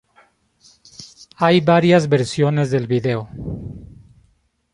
Hay varias versiones del video.